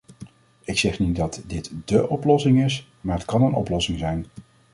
Ik zeg niet dat dit dé oplossing is maar het kan een oplossing zijn.